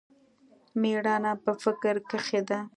مېړانه په فکر کښې ده.